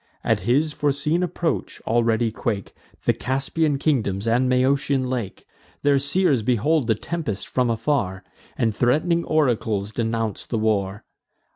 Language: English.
At his foreseen approach, already quake The Caspian kingdoms and Maeotian lake: Their seers behold the tempest from afar, And threat'ning oracles denounce the war.